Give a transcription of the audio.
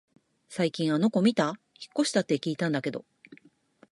最近あの子みた？引っ越したって聞いたけど